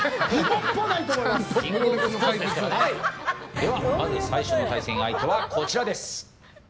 では、まず最初の対戦相手はこちらです。